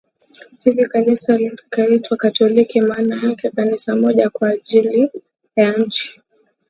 hivi Kanisa likaitwa katoliki maana yake Kanisa moja kwa ajili ya nchi